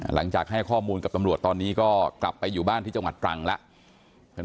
หลังจากให้ข้อมูลกับตำรวจตอนนี้ก็กลับไปอยู่บ้านที่จังหวัดตรังแล้ว